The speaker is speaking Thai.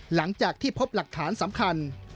หลังจากที่พบหลักฐานสำคัญ